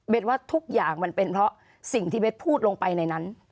ว่าทุกอย่างมันเป็นเพราะสิ่งที่เบสพูดลงไปในนั้น